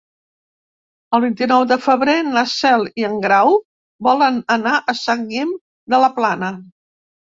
El vint-i-nou de febrer na Cel i en Grau volen anar a Sant Guim de la Plana.